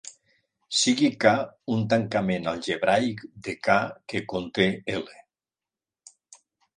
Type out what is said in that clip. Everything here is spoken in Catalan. Sigui "K" un tancament algebraic de "K" que conté "L".